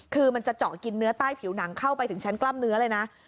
คือมันจะเจาะกินเนื้อใต้ผิวหนังเข้าไปถึงชั้นกล้ามเนื้อเลยนะ